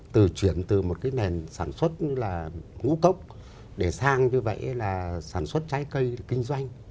từ chuyển từ một cái nền sản xuất như là ngũ cốc để sang như vậy là sản xuất trái cây kinh doanh